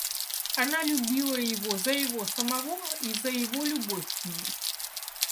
Она любила его за его самого и за его любовь к ней.